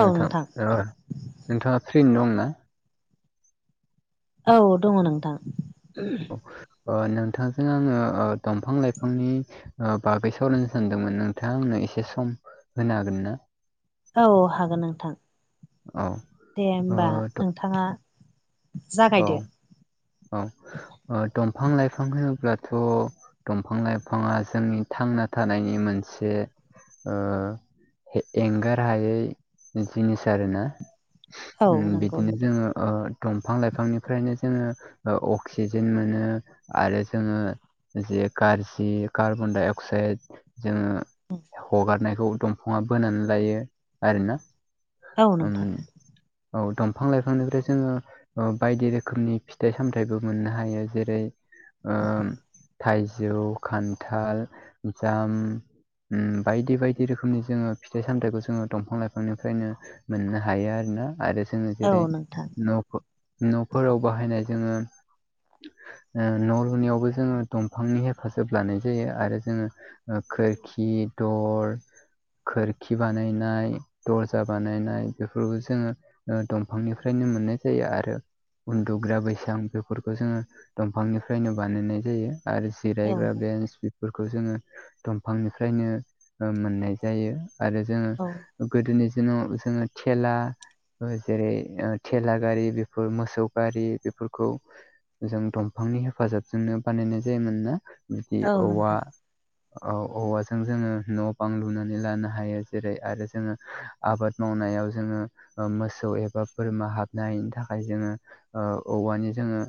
नोंथां ओ नोंथाङा फ्रिनो दंना? औ दङ नोंथां। अ नोंथांजों आङो दंफां लाइफांनि बागै सावरायनो सानदोंमोन नोंथाङा आंनो एसे सम होनो हागोन ना? औ हागोन नोंथां औ दे ओ होमबा द- नोंथाङा औ जागायदो। औ अ दंफां लाइफां होनोब्लाथ' दंफां लाइफाङा जोंनि थांना थानायनि मोनसे अ एंगार हायै जिनिस आरोना। औ नंगौ बिदिनो नोंथां जोङो अ दंफां लाइफांनिफ्रायनो जोङो अ अक्सिजेन मोनो आरो जोङो जे गारजि कार्बन डाइ अक्साइड जोङो हगारनायखौ दंफाङा बोनानै लायो आरोना। औ उम नोंथां औ दंफां लाइफांनिफ्राय जोङो बायदि रोखोमनि फि थाइ सामथाइबो मोननो हायो जेरै ओ थाइजौ, खान्थाल, जाम ओम बायदि बायदि रोखोमनि जोङो फिथाइ सामथायाइखौ जोङो दंफां लाइफांनिफ्रायनो मोननो हायो आरोना। आरो जोङो औ जेरै नोंथां न'फोराव बाहायनाय जोङो ओ न' लुनायावबो जोङो दंफांनि हेफाजाब लानाय जायो। आरो जोङो खोरखि दर खोरखि बानायनाय दर्जा बानायनाय बेफोरखौ जोङो। ओ दंफांनिफ्रायनो मोननाय जायो। आरो उन्दुग्रा बैस सां बेफोरखौ जोङो दंफांनिफ्रायनो बानायनाय जायो आरो औ जिरायग्रा बेन्स बेफोरखौ जोङो दंफांनिफ्रायनो मोननाय जायो। आरो जोङो औ गोदोनि दिनाव जोङो थेला जेरै, थेला गारि, बेफोर मोसौ गारि, बेफोरखौ जों दंफांनि हेफाजाबजोंनो बानायनाय जायोमोन ना। बिदि औ औवा नोंथां औ औवाजों जोङो न' बां लुनानै लानो हायो। जेरै आरो जोङो आबाद मावनायाव जोङो मोसौ एबा बोरमा हाबनायनि थाखाय जोङो ओ औवानि जोङो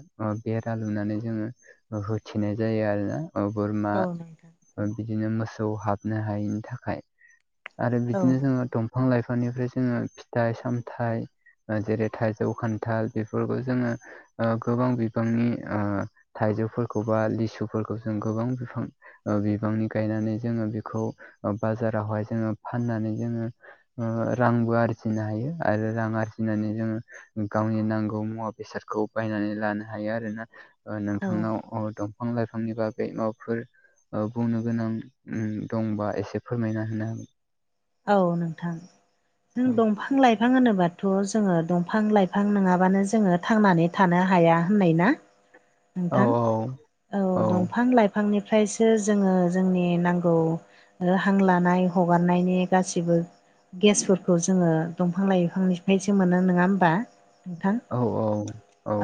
बेरा लुनानै जोङो होथेनाय जायो आरोना। ओ बोरमा औ नोंथां बिदिनो मोसौ हाबनो हायैनि थाखाय। आरो औ बिदिनो जोङो नोंथां दंफां लाइफांनिफ्राय जोङो फिथाइ सामथाइ जेरै थाइजौ खान्थाल बेफोरखौ जोङो गोबां बिबांनि ओ थाइजौफोरखौ बा लिसुफोरखौ जों गोबां बिफां बिबांनि गायनानै जोङो बेखौ बाजारावहाय जोङो फाननानै जोङो ओ रांबो आरजिनो हायो आरो रां आरजिनानै जोङो गावनि नांगौ मुवा बेसादखौ बायनानै लानो हायो आरोना। ओ औ नोंथांनाव दं दंफां लाइफांनि बागै मावफोर ओ बुंनो गोनां दंबा एसे फोरमायना होनो हागोन? औ नोंथां। जों दंफां लाइफां होनोब्लााथ' जोङो दंफां लाइफां नङाबानो जोङो थांनानै थानो हाया होननाय ना औ नोंथां। औ दंफां लाइफांनिफ्रायसो जोङो जोंनि नांगौ ओ हां लानाय हगारनायनि गासिबो गेसफोरखौ जोङो दंफां लाइफांनिफ्रायसो मोनो नङा होमबा। नोंथां। औ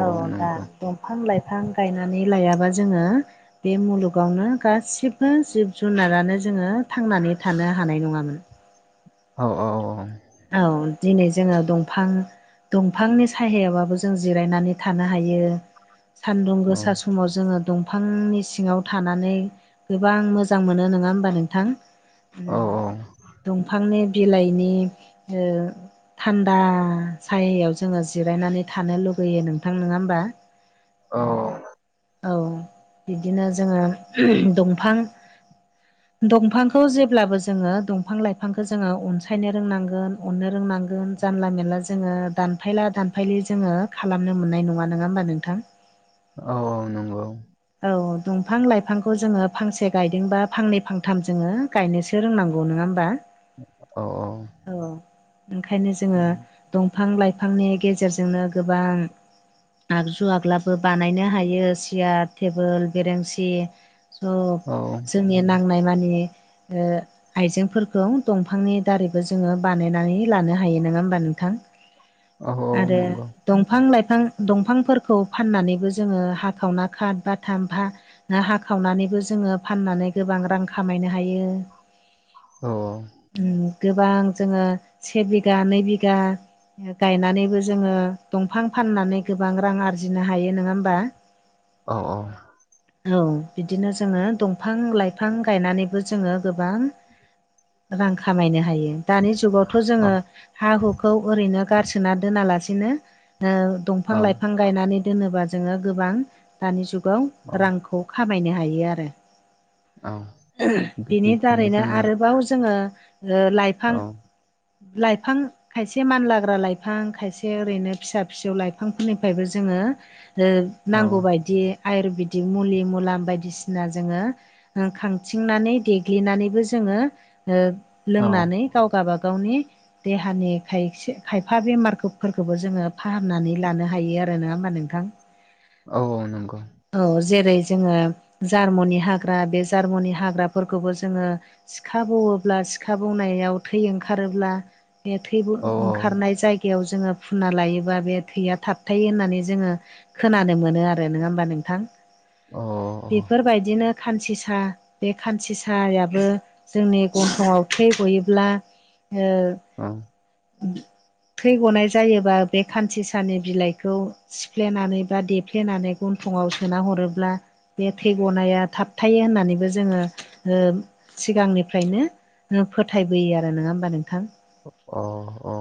औ दा दंफां लाइफां गायनानै लायाबा जोङो। बे मुलुगावनो गासिबो जिब जुनारानो जोङो थांनानै थानो हानाय नङामोन। औ औ औ। औ दिनै जोङो दंफां दंफांनि सायायाबाबो जों जिरायनानै थानो हायो। सान्दुं औ गोसा समाव जोङो दं दंफांनि सिङाव थानानै गोबां मोजां मोनो नङा होमबा नोंथां। दंफांनि बिलाइनि ओ थान्दा सायायाव जोङो जिरायनानै थानो लुगैयो नोंथां नङा होमबा। औ। औ बिदिनो जोङो दंफां दंफांखौ जेब्लाबो जोङो दंफां लाइफांखौ जोङो अनसायनो रोंनांगोन अननो रोंनांगोन। जानला मानला जोङो दानफायला दानफायलि जोङो खालामनो मोननाय नङा नङा होमबा नोंथां। औ औ नंगौ। औ दंफां लाइफांखौ जोङो फांसे गायदोंबा फांनै फांथाम जोङो गायनोसै गायनो रोंनांगौ नङा होमबा। औ औ ओंखायनो जोङो। दंफां लाइफांनि गेजेरजोंनो गोबां। आगजु आग्लाबो बानायनो हायो सियार टेबोल बेरेेंसि सब औ जोंनि नांनाय मानि ओ आइजेंफोरखौ दंफांनि दारैबो जोङो बानायनानै लानो हायो नङा होमबा नोंथां? औ आरो नंगौ दंफां लाइफां दंफांफोरखौ फाननानैबो जोङो हाखावना खाथ बाथाम फा ना हाखावनानैबो जोङो फाननानै गोबां रां खामायनो हायो। अ ओम गोबां जोङो से बिघा नै बिघा गायनानैबो जोङो दंफां फाननानै गोबां रां आरजिनो हायो नोङा होमबा। अ अ औ बिदिनो जोङो दंफां लाइफां गायनानैबो जोङो गोबां रां खामायनो हायो। दानि जुगावथ' जोङो हा हुखौ ओरैनो गारसोना दोनालासिनो ओ दंफां औ लाइफां गायनानै दोनोबा जोङो गोबां दानि जुगाव औ रांखौ खामायनो हायो आरो। औ बेनि बिदिनो दारैनो जोङो आरोबाव जोङो ओ लाइफां औ लाइफां खायसे मानलाग्रा लाइफां खायसे ओरैनो फिसा फिसौ लाइफांफोरनिफ्रायबो जोङो ओ औ नांगौ बायदि आयुरबेदिक मुलि मुलाम बायदिसिना जोङो ओ खांथिंनानै देग्लिनानैबो जोङो ओ औ लोंनानै गावगा बागावनि देहानि खायसे खायफा बेमारखौ फोरखौबो जोङो फाहामनानै लानो हायो आरो नोङा होमबा नोंथां? औ नंगौ। औ जेरै' जोङो जार्मनि हाग्रा बे जार्मनि हाग्राफोरखौबो जोङो सिखा बौओब्ला सिखा बौनायाव थै ओंखारोब्ला बे थै बो औ ओंखारनाय जाय गायाव जोङो फुनना लायोबा बे थैया थाबथायो होननानै जोङो खोनानो मोनो आरो नोङा होमबा नों थां औ बेफोरबायदिनो खान्सिसा बे खान्सिसायाबो जोंनि गन्थ'आव थै गयोब्ला ओ औ थै गनाय जायोबा बे खान्सिसानि बिलाइखौ सिफ्लेनानै बा देफ्लेनानै गन्थंआव सोना हरोब्ला बे थैगनाया थाबथायो होननानैबो जोङो ओ सिगांनिफ्रायनो ओ फोथायबोयो आरो नोङा होमबा नोंथां?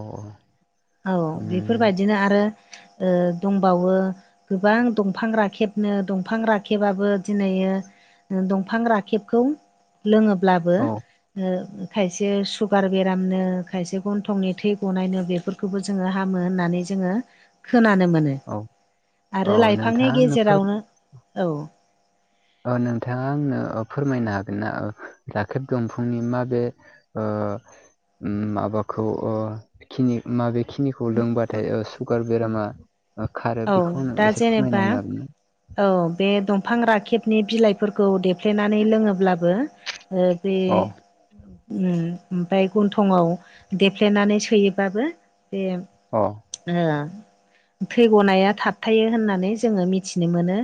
औ औ बेफोरबा बिदिनो आरो ओ दंबावो गोबां दंफां रा खेबनो दंफां राखेबाबो दिनै दंफां राखेबखौ लोङोब्लाबो औ ओ खायसे सुगार बेरामनो खायसे गन्थंनि थै गनायनो बेफोर खोबो जोङो हामो होननानै जोङो खोननो मोनो औ आरो लाइांनि नोंथाङा गे आंनो फोर औ। ओ नोंथाङा आंनो ओ फोरमायनो हागोन ना ओ राखेब दंफांनि माबे आ ओम माबाखौ ओ खिनि माबे खिनिखौ लोंबाथाय ओ सुगार बेरामा खारो औ बेखौ आं दा एसे जेनेबा फोरमायनानै होनो हागोन ना? औ बे दंफां राखेबनि बिलाइफोरखौ देफ्लेनानै लोङोब्लाबो‌ ओ बे अ उम ओमफाय गन्थंआव देफ्लेनानै सोयोबाबो बे अ। ओ। थै गनाया थाबथायो होननानै जोङो मिथिनो मोनो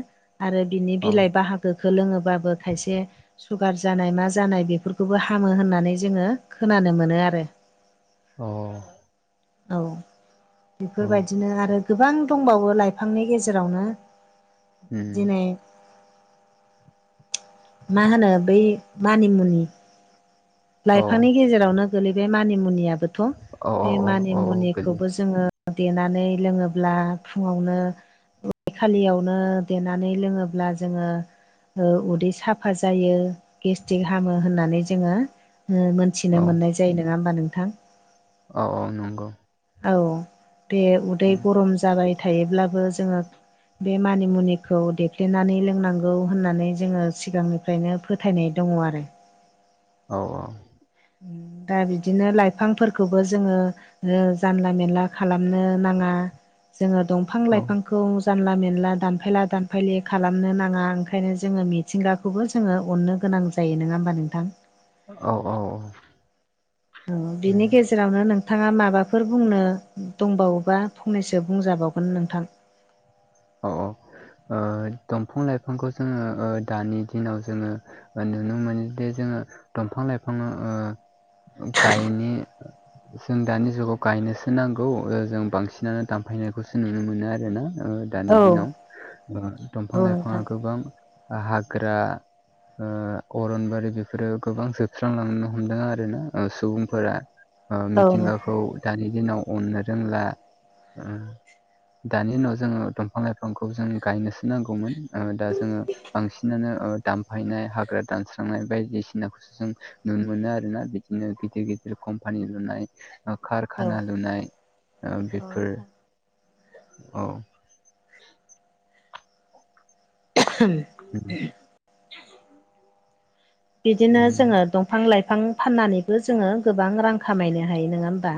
आरो बिनि अ बिलाइ बाहागोखौ लोङो बाबो खायसे सुगार जानाय मा जानाय बेफोरखौबो हामो होननानै जोङो खोनानो मोनो आरो। अ। औ बेफोरबायदिनो आरो गोबां दंबावो लाइफांनि गेजेरावनो। उम दिने मा होनो बै मानिमुनि औ लाइफांनि गेजेरावनो गोलैबाय मानिमुनियाबोथ'। औ औ बे औ औ गोजोन मानिमुनिखौबो जोङो देनानै लोङोब्ला फुङावनो उद खालियावनो देनानै लोङोब्ला जोङो अ उदै साफा जायो गेस्टिक हामो होननानै जोङो मोनथिनो औ मोननाय जायो। नङा होमबा नोंथां? औ औ नंगौ। औ बे उदै उम गरम जाबाय थायोब्लाबो जोङो बे मानिमुनिखौ देफ्लेनानै लोंनांगौ होननानै जोङो सिगांनि फ्रायनो फोथायनाय दङ आरो। औ औ दा बिदिनो लाइफांफोरखौबो जोङो जानला मेनला खालामनो नाङा। जोङो औ दंफां-लाइफां खौ जानला मेनला दानफायला-दानफायलि खालामनो नाङा। ओंखायनो जोङो मिथिंगाखौ खौबो जोङो अननो गोनां जायो। नङा होनबा नोंथां? औ औ औ उ उम बिनि गेजे आवनो नोंथाङा माबाफोर बुंनो दंबावोबा फंनैसो बुंजाबावगोन नोंथां। औ औ ओ दंफां-लाइफांखौ जोङो ओ दानि दिनाव जोङो नुनो मोनोदि जोङो दंफां-लाइफां ओ गायनो जों दानि जुगाव गायनोसो नांगौ ओ जों बांसिनानो दानफायनायखौसो नुनो मोनो आरोना। दानि औ दिनाव औ दंफां-लाइफाङा नोंथां गोबां हाग्रा ओ अरनबारि बेफोरो गोबां जोबस्रांलांनो हमदों आरो ना। सुबुंफोरा औ नोंथां मिथिंगाखौ दानि दिनाव अननो रोंला। ओ दानि दिनाव जोङो दंफां-लाइफांखौ जों गायनोसो नांगौमोन ओ दा जोङो बांसिनानो दानफायनाय हाग्रा दानस्रांनाय बायदिसिनाखौ जों नुनो मोनो आरोना। बिदिनो गिदिर-गिदिर कम्पानि लुनाय ओ औ कारखाना लुनाय बेफोर औ। [unintelligible] [inaudible] [unintelligible] [unintelligible] बिदिनो जोङो दंफां-लाइफां फाननानैबो जोङो गोबां रां खामायनो हायो। नङा होमबा?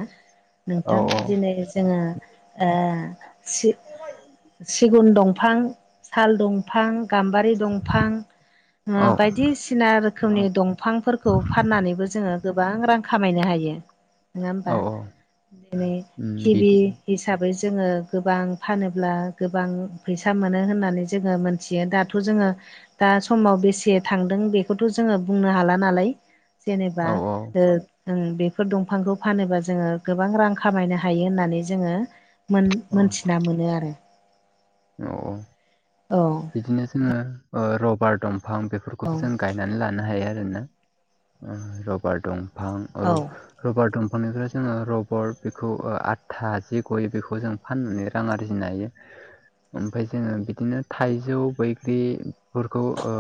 औ नोंथां दिनै जोङो ओ सो सिगुन दंफां, साल दंफां, गाम्बारि दंफां औ बायदिसिना रो खोमनि दंफांफोरखौ फाननानैबो जोङो गोबां रां खामायनो हायो। नङा होमबा? औ औ दिनै किबि बिदि हिसाबै जोङो गोबां फानोब्ला गोबां फैसा मोनो होननानै जोङो मोन थियो। दाथ' जोङो दा समाव बेसे थांदों बे खौ जोङो बुंनो हाला नालाय जेनेबा औ औ ओ ओं बेफोर दंफांखौ फानोबा जोङो गोबां रां खामायनो हायो होननानै जोङो जों औ मोनथिना मोनो आरो। [unintelligible] औ बिदिनो जोङो ओ रबार दंफां बेफोरखौबो जों गायनानै लानो हायो आरोना ओ रबार दंफां औ। रबार दंफांनिफ्राय जोङो रबार बेखौ ओआथा जि गयो बेखौ जों फाननानै रां आरजिनो हायो। ओमफाय जोङो बिदिनो थाइजौ बैग्रि फोरखौ ओ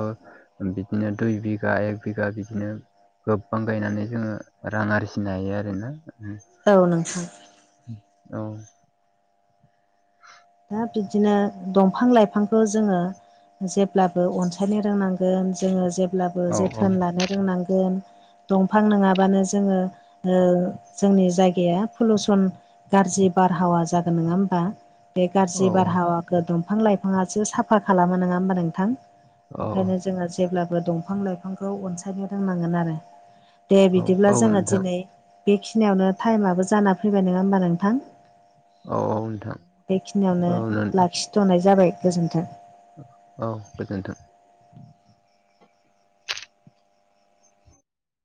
बिदिनो दुइ बिघा एक बिघा बिदिनो गोबबां गायनानै जोङो रां आरजिनो हायो आरोना। औ नोंथां। औ। दा बिदिनो दंफां लाइफांखौ जोङो जेब्लाबो अनसायनो रोंनांगोन जोङो जेब्लाबो औ जोथोन लानो रोंनांगोन। दंफां नोङाबानो जोङो ओ जोंनि जायगाया पलुसन गाज्रि बारहावा जागोन नङा होमबा। बे गाज्रि औ बारहावाखौ दंफां लाइफाङासो साफा खालामो नोङा होमबा नोंथां? औ ओंखायनो जोङो जेब्लाबो दंफां लाइफांखौ अनसायनो रोंनांगोन आरो। दे औ बिदिब्ला औ जोङो नोंथां दिनै बेखिनियावनो टाइमाबोआो जाना फैबाय नोङा होमबा नोंथां? औ औ नोंथां। बेखिनियावनो औ नों- लाखिथ'नाय जाबाय गोजोन्थों। औ गोजोनथों।